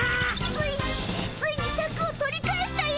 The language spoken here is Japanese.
ついについにシャクを取り返したよ！